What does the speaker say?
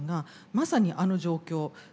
まさにあの状況。